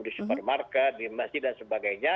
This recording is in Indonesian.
di supermarket di masjid dan sebagainya